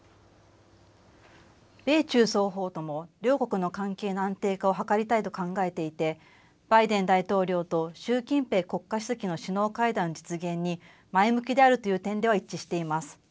米中双方とも、両国の関係の安定化を図りたいと考えていて、バイデン大統領と習近平国家主席の首脳会談実現に、前向きであるという点では一致しています。